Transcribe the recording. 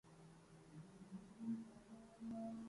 صلہ ان کی کد و کاوش کا ہے سینوں کی بے نوری